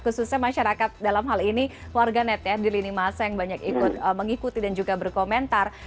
khususnya masyarakat dalam hal ini warganet ya di lini masa yang banyak ikut mengikuti dan juga berkomentar